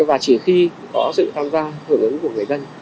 và chỉ khi có sự tham gia hưởng ứng của người dân